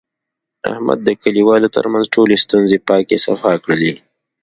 احمد د کلیوالو ترمنځ ټولې ستونزې پاکې صفا کړلې.